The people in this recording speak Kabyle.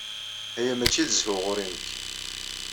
Aya mačči d zzhu ɣur-i nekk.